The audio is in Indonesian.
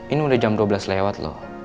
ini udah jam dua belas lewat loh